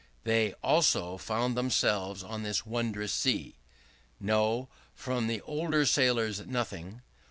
They also found themselves on this wondrous sea. No; from the older sailors nothing.